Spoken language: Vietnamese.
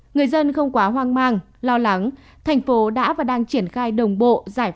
người dân không quá hoang mang lo lắng thành phố đã và đang triển khai đồng bộ